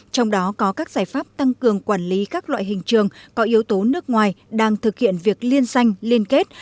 trong đó có các giải pháp tăng cường quản lý các loại hình trường có yếu tố nước ngoài đang thực hiện việc liên xanh liên kết